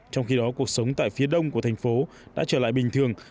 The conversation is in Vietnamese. trong khi đó cuộc sống tại phía đông của thành phố đã trở lại bình thường